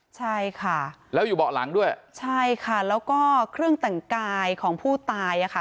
ใช่ค่ะแล้วอยู่เบาะหลังด้วยใช่ค่ะแล้วก็เครื่องแต่งกายของผู้ตายอ่ะค่ะ